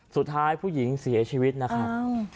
สุดท้ายผู้หญิงเสียชีวิตนะครับ